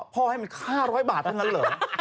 พ่อให้มัน๕๐๐บาทเท่านั้นหรอ